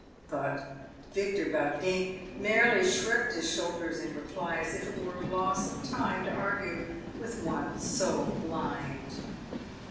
But Victor Baudin merely shrugged his shoulders in reply, as if it were a loss of time to argue with one so blind.